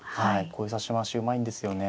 こういう指し回しうまいんですよね。